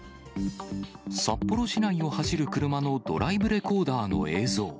札幌市内を走る車のドライブレコーダーの映像。